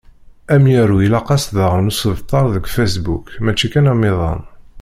Amyaru ilaq-as daɣen usebter deg Facebook, mačči kan amiḍan.